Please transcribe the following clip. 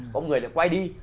có một người lại quay đi